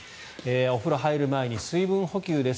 お風呂に入る前に水分補給です。